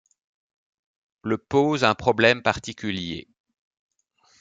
Le pose un problème particulier.